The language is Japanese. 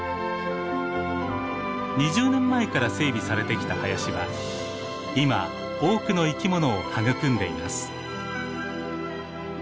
２０年前から整備されてきた林は今多くの生きものを育んでいます。